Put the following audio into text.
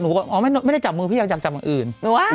หนูก็อ๋อไม่ได้จับมือพี่อยากจับอย่างอื่น